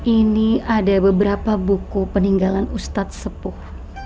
ini ada beberapa buku peninggalan ustadz sepuh